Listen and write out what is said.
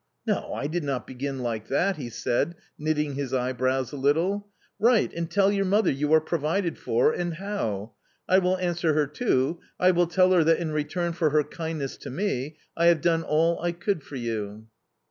No, I did not begin like that !" he said, knitting his eyebrows a little. " Write and tell your mother you are provided for and how. I will answer her too, I will tell her that in return for her kindness to me, I have done all I could for you."